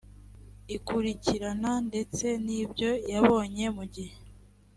ikurikirana ndetse n ibyo yabonye mu gihe